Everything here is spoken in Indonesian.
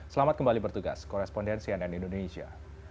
selamat kembali bertugas koresponden cnn indonesia